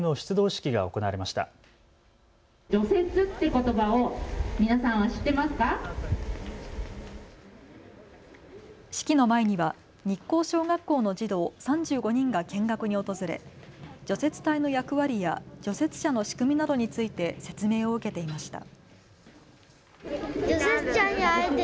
式の前には日光小学校の児童３５人が見学に訪れ除雪隊の役割や除雪車の仕組みなどについて説明を受けていました。